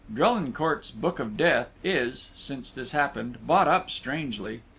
Drelincourt's Book of Death is, since this happened, bought up strangely.